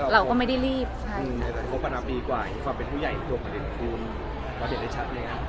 เราก็ไม่ได้รีบใช่แต่เขาประนับดีกว่าคือความเป็นผู้ใหญ่ตัวประเด็นความเห็นได้ชัด